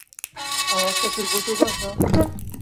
ئایا شەکر بۆ تۆ باشە؟